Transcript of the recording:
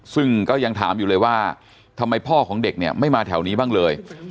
ซึ่งก็ยังถามอยู่เลยว่าทำไมพ่อของเด็กเนี่ยไม่มาแถวนี้บ้างเลย